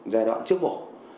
giai đoạn trước mổ